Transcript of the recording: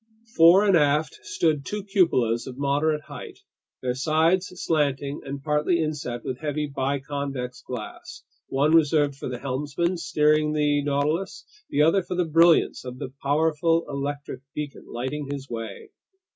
Fore and aft stood two cupolas of moderate height, their sides slanting and partly inset with heavy biconvex glass, one reserved for the helmsman steering the Nautilus, the other for the brilliance of the powerful electric beacon lighting his way.